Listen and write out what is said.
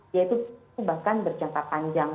yaitu bahkan berjata panjang